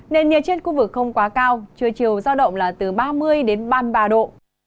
nền nhiệt trên khu vực không quá cao trưa chiều giao động là từ ba mươi đến ba mươi ba độ